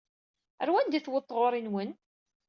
Ɣer wanda i tewweḍ taɣuṛi-nwen?